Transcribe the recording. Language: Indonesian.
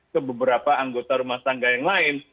ke beberapa anggota rumah tangga yang lain